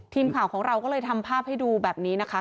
ทีมข่าวของเราก็เลยทำภาพให้ดูแบบนี้นะคะ